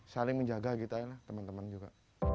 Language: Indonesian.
saling menjaga kita ya lah teman teman juga